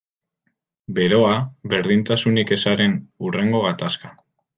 Beroa, berdintasunik ezaren hurrengo gatazka.